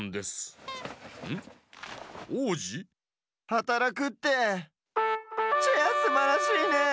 はたらくってチェアすばらしいね。